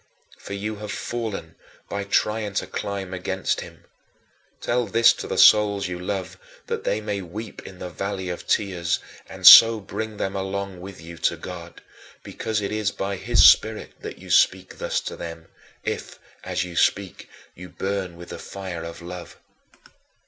For you have fallen by trying to climb against him. Tell this to the souls you love that they may weep in the valley of tears, and so bring them along with you to God, because it is by his spirit that you speak thus to them, if, as you speak, you burn with the fire of love.